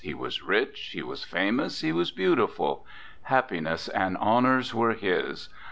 He was rich; he was famous; he was beautiful. Happiness and hon ors were his.